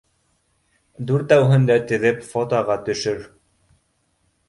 — Дүртәүһен дә теҙеп фотоға төшөр.